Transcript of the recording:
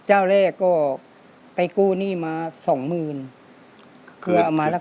สวัสดีครับ